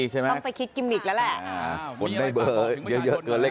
ต้องไปคิดกิมมิกแล้วแหละ